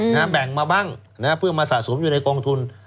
แบ่งมาบ้างนะฮะเพื่อมาสะสมอยู่ในกองทุน